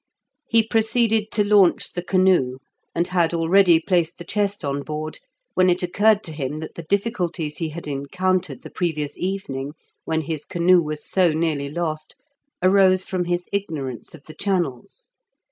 He proceeded to launch the canoe, and had already placed the chest on board when it occurred to him that the difficulties he had encountered the previous evening, when his canoe was so nearly lost, arose from his ignorance of the channels.